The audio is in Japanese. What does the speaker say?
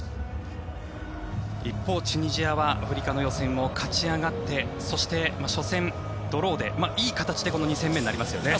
一方、チュニジアはアフリカの予選を勝ち上がってそして、初戦ドローでいい形でこの２戦目になりますよね。